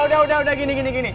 udah udah udah gini gini gini